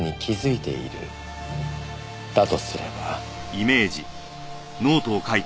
「だとすれば」。